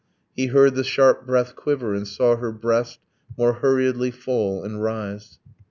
He heard the sharp breath quiver, and saw her breast More hurriedly fall and rise.